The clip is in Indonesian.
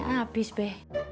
pulsanya abis be